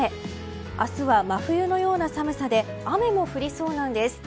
明日は、真冬のような寒さで雨も降りそうなんです。